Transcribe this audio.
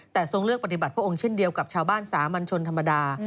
แต่ทรงเลือกปฏิบัติพระองค์เช่นเดียวกับชาวบ้านสามัญชนธรรมดา